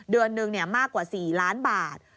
เดือนหนึ่งมากกว่า๔ล้านบาท